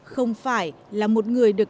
không phải là một người được